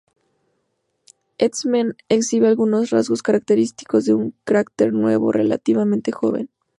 Eastman exhibe algunos rasgos característicos de un cráter nuevo, relativamente joven.